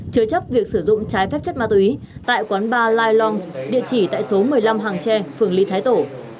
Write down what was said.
chứa chấp việc sử dụng trái phép chất ma túy tại quán ba lai long địa chỉ tại số một mươi năm hàng tre phường lý thái tổ